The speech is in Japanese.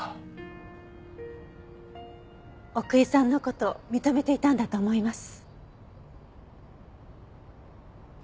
奥居さんの事認めていたんだと思います。